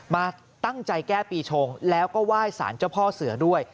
มาตั้งใจแก้ปีชงแล้วก็ไหว้สารเจ้าพ่อเสือด้วย